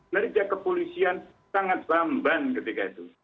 nerja kepolisian sangat lamban ketika itu